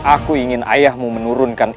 aku ingin ayahmu menurunkan